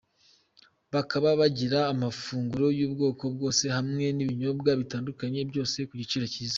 Bakaba bagira amafunguro y’ubwoko bwose hamwe n’ibinyobwa bitandukanye byose ku giciro cyiza.